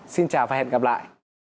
xin chào và hẹn gặp lại